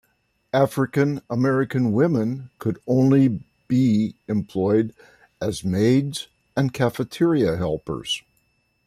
African-American women could only be employed as maids and cafeteria helpers.